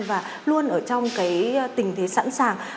và luôn ở trong tình thế sẵn sàng